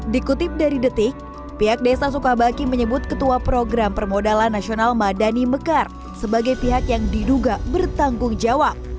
dikutip dari detik pihak desa sukabaki menyebut ketua program permodalan nasional madani mekar sebagai pihak yang diduga bertanggung jawab